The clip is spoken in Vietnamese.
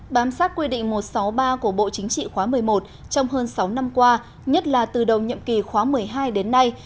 bám sát quy định một trăm sáu mươi ba của bộ chính trị khóa một mươi một trong hơn sáu năm qua nhất là từ đầu nhiệm kỳ khóa một mươi hai đến nay